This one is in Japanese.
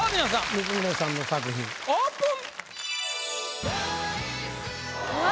光宗さんの作品オープン！